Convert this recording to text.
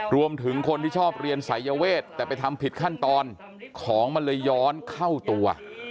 รวมถึงคนที่ชอบเรียนสายเวทแต่ไปทำผิดขั้นตอนของมันเลยย้อนเข้าตัว